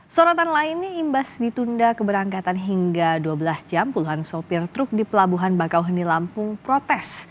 sorotan lainnya imbas ditunda keberangkatan hingga dua belas jam puluhan sopir truk di pelabuhan bakauheni lampung protes